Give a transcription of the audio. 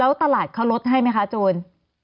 แล้วตลาดเขาลดให้ไหมคะโจร